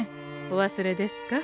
お忘れですか？